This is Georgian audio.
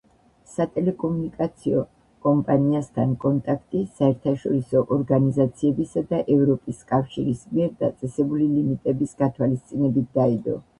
სატელეკომუნიკაციო კომპანიასთან კონტრაქტი, საერთაშორისო ორგანიზაციებისა და ევროპის კავშირის მიერ დაწესებული ლიმიტების გათვალისწინებით დაიდო.